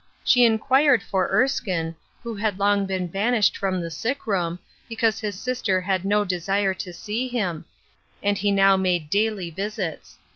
She inquired for Erskine, who had long been banished from the sick room, because his sister had no desire to see him, and he now made daily visits.